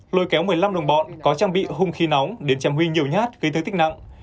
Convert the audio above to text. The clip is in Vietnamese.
lôi kéo một mươi năm đồng bọn có trang bị hung khí nóng đến chém huy nhiều nhát gây thương tích nặng